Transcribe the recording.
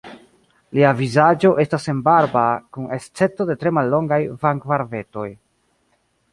Lia vizaĝo estas senbarba kun escepto de tre mallongaj vangbarbetoj.